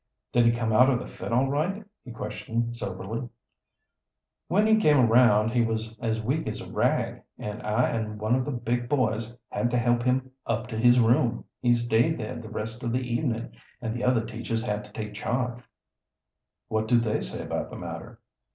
"Did he come out of the fit all right?" he questioned soberly. "When he came around he was as weak as a rag, and I and one of the big boys had to help him up to his room. He stayed there the rest of the evening, and the other teachers had to take charge." "What do they say about the matter?"